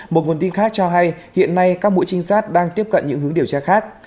một nguồn tin khác cho hay hiện nay các mũi trinh sát đang tiếp cận những hướng điều tra khác